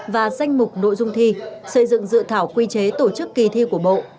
và danh mục nội dung thi xây dựng dự thảo quy chế tổ chức kỳ thi của bộ